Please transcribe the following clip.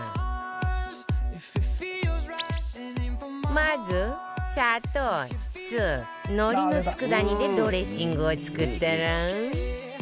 まず砂糖酢海苔の佃煮でドレッシングを作ったら